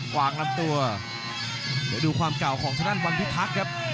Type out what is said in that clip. วางลำตัวเดี๋ยวดูความเก่าของทางด้านวันพิทักษ์ครับ